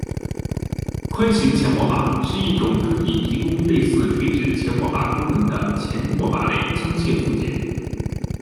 宽型前握把是一种可以提供类似垂直前握把功能的前握把类枪械附件。